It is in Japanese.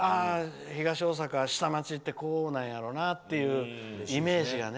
東大阪、下町ってこうなんやろうなっていうイメージがね。